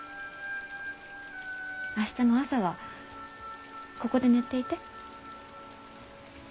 明日の朝はここで寝ていて。